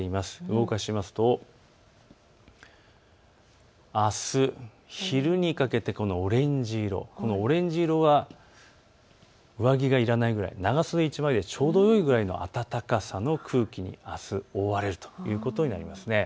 動かしますとあす昼にかけてこのオレンジ色、このオレンジ色は上着がいらないぐらい、長袖１枚でちょうどよいぐらいの暖かさの空気にあす覆われるということになります。